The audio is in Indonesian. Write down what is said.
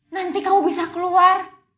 nanti kamu bisa keluar